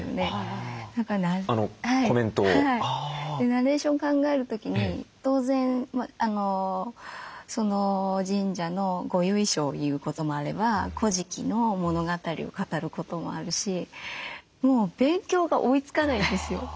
ナレーション考える時に当然その神社のご由緒を言うこともあれば「古事記」の物語を語ることもあるしもう勉強が追いつかないんですよ。